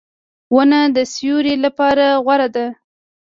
• ونه د سیوری لپاره غوره ده.